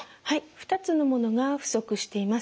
２つのものが不足しています。